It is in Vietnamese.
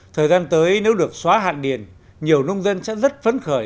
thời gian tới nếu được xóa hạn điền nhiều nông dân sẽ rất phấn khởi